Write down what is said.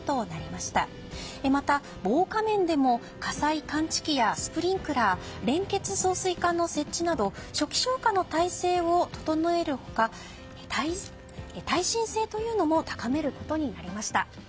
また防火面でも火災感知器や、スプリンクラー連結送水管の設置など初期消火の体制を整える他、耐震性というのも高めることになりました。